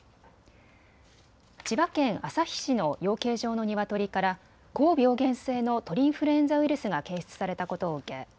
千葉県旭市の養鶏場のニワトリから高病原性の鳥インフルエンザウイルスが検出されたことを受け